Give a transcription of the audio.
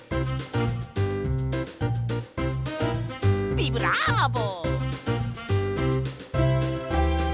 ビブラーボ！